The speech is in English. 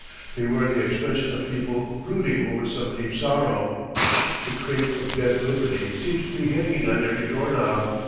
They wear the expression of people brooding over some deep sorrow. The crape of dead liberty seems to be hanging on every door knob.